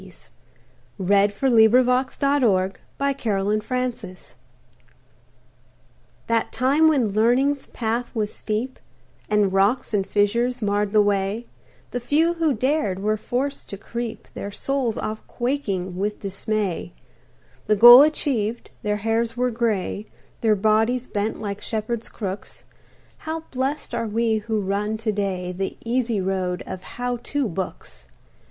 A BALLADE OF THE "HOW TO" BOOKS BY JOHN JAMES DAVIES That time when Learning's path was steep, And rocks and fissures marred the way, The few who dared were forced to creep, Their souls oft quaking with dismay; The goal achieved, their hairs were gray, Their bodies bent like shepherds' crooks; How blest are we who run to day The easy road of "How To" books!